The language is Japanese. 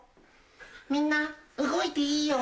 みんな動いていいよ。